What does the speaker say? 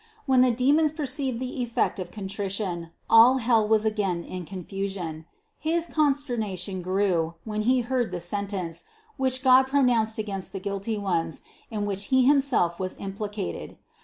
When the demons perceived the effect of contrition, all hell was again in confusion. His consternation grew, when he heard the sentence, which God pronounced against the guilty ones, in which he himself was implicated.